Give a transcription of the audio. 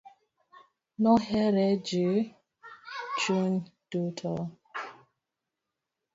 Nohere gi chunye duto.